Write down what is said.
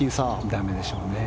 駄目でしょうね。